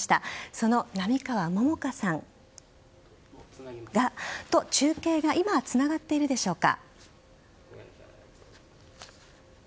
その並川桃夏さんと中継が今つながっているでしょうか。